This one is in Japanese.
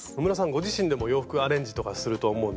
ご自身でも洋服アレンジとかすると思うんですけど。